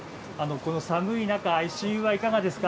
この寒い中、足湯はいかがですか。